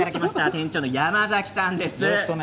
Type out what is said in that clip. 店長の山崎さんです。